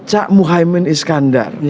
cak muhaymin iskandar